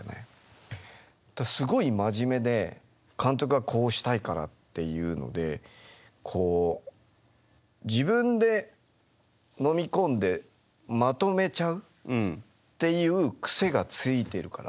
すごい真面目で監督がこうしたいからっていうのでこう自分でのみ込んでまとめちゃうっていう癖がついているから。